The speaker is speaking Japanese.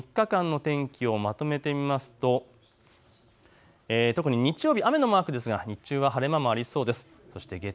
３日間の天気をまとめてみますと特に日曜日、雨のマークですが日中は晴れ間もありそうです。